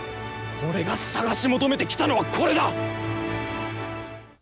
俺が探し求めてきたのはこれだ！